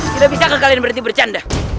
tidak bisakah kalian berhenti bercanda